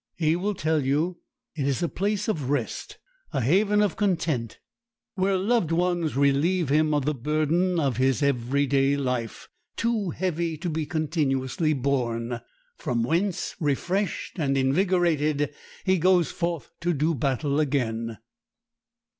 He will tell you: "It is a place of rest, a haven of content, where loved ones relieve him of the burden of every day life, too heavy to be continuously borne, from whence, refreshed and invigorated, he goes forth to do battle again."